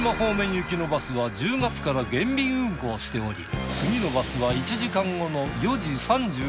行きのバスは１０月から減便運行しており次のバスは１時間後の４時３４分。